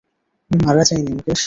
আমি মারা যাইনি মুকেশ।